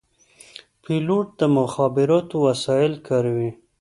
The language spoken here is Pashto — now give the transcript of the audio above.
پیلوټ د مخابراتو وسایل کاروي.